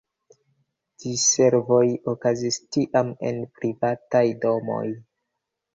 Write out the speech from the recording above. Diservoj okazis tiam en privataj domoj.